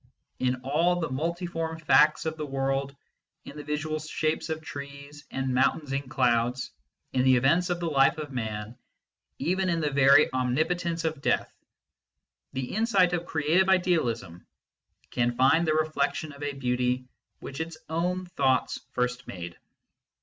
In all the multiform facts of the world in the visual shapes of trees and mountains and clouds, in the events of the life of man, even in the very omnipotence of Death the insight of creative idealism can find the reflection of a beauty which its own thoughts first made.